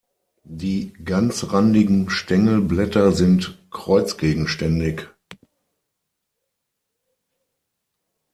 Die ganzrandigen Stängel-Blätter sind kreuzgegenständig.